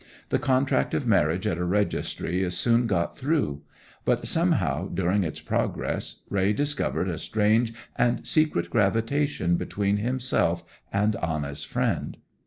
The contract of marriage at a registry is soon got through; but somehow, during its progress, Raye discovered a strange and secret gravitation between himself and Anna's friend.